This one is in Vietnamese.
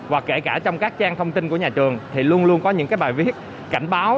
và kể cả trong các trang thông tin của nhà trường thì luôn luôn có những bài viết cảnh báo